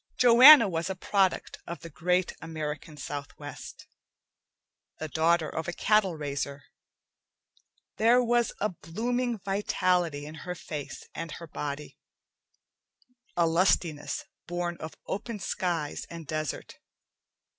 Joanna was a product of the great American southwest, the daughter of a cattle raiser. There was a blooming vitality in her face and her body, a lustiness born of open skies and desert.